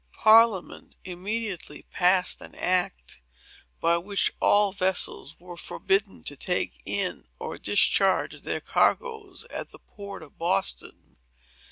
Parliament immediately passed an act, by which all vessels were forbidden to take in or discharge their cargoes at the port of Boston.